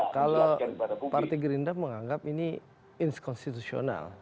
kalau partai gerindra menganggap ini inskonstitusional